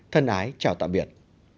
thân ái chào tạm biệt